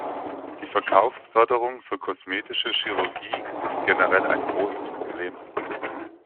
Die Verkaufsförderung für kosmetische Chirurgie ist generell ein großes Problem.